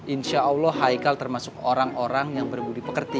insya allah haikal termasuk orang orang yang berbudi pekerti